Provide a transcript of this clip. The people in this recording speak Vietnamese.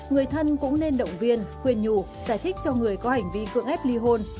người thân cũng nên động viên khuyên nhù giải thích cho người có hành vi cưỡng ép ly hôn